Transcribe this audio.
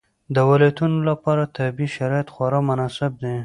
د ولایتونو لپاره طبیعي شرایط خورا مناسب دي.